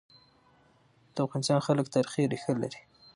د افغانستان خلک تاریخي ريښه لري.